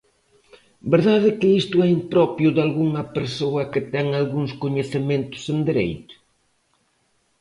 ¿Verdade que isto é impropio dalgunha persoa que ten algúns coñecementos en dereito?